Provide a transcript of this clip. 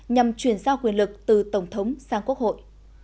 nhằm chuyển giao quyền lực từ tổng thống sang quốc hội